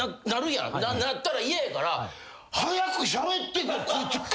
なったら嫌やから早くしゃべってこい！